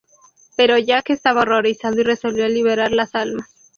Pero Jack estaba horrorizado y resolvió liberar las almas.